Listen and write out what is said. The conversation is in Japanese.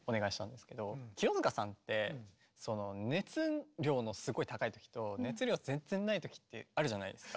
清塚さんって熱量のすごい高いときと熱量全然ないときってあるじゃないですか。